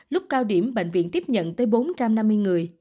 lúc cao điểm bệnh viện tiếp nhận tới bốn trăm năm mươi người